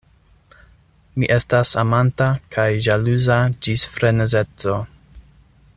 Mi estas amanta kaj ĵaluza ĝis frenezeco.